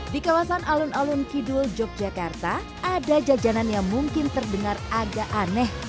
di kawasan alun alun kidul yogyakarta ada jajanan yang mungkin terdengar agak aneh